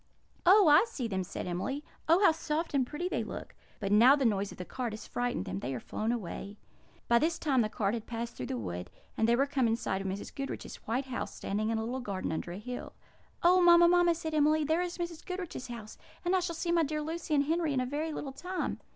"Oh, I see them!" said Emily. "Oh, how soft and pretty they look! But now the noise of the cart has frightened them; they are flown away." By this time the cart had passed through the wood, and they were come in sight of Mrs. Goodriche's white house standing in a little garden under a hill. "Oh, mamma, mamma!" said Emily, "there is Mrs. Goodriche's house! And I shall see my dear Lucy and Henry in a very little time."